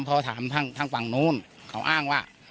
เพราะถามทางทางฝั่งนู้นเขาอ้างว่า